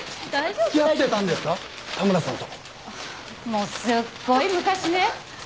もうすっごい昔ね。